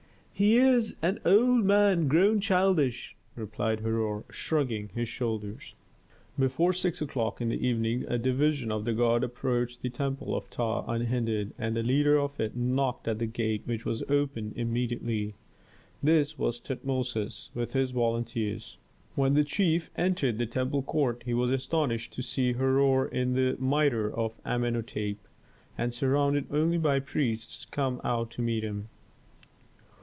"He is an old man grown childish," replied Herhor, shrugging his shoulders. Before six o'clock in the evening a division of the guard approached the temple of Ptah unhindered, and the leader of it knocked at the gate, which was opened immediately. This was Tutmosis with his volunteers. When the chief entered the temple court he was astonished to see Herhor in the mitre of Amenhôtep, and surrounded only by priests come out to meet him.